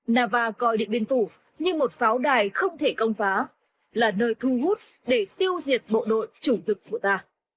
nava coi điện biên phủ như một pháo đài không thể công phá là nơi thu hút để tiêu diệt bộ đội chủ thực của ta